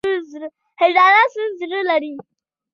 هندوانه سور زړه لري.